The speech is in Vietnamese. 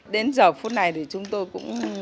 đến giờ phút này chúng tôi cũng có lực lượng tham gia